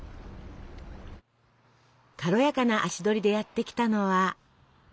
軽やかな足取りでやって来たのは？